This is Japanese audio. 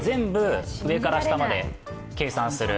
上から下まで計算する。